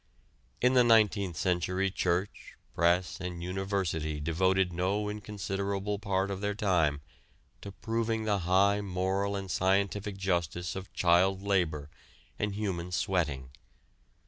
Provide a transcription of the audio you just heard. In the nineteenth century church, press and university devoted no inconsiderable part of their time to proving the high moral and scientific justice of child labor and human sweating.